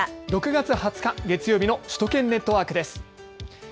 ６月２０日、月曜日の首都圏ネットワークです。